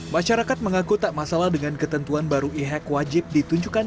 masyarakat mengaku tak masalah dengan ketentuan baru e hack wajib ditunjukkan